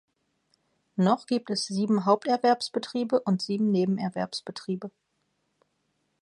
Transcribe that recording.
Noch gibt es sieben Haupterwerbsbetriebe und sieben Nebenerwerbsbetriebe.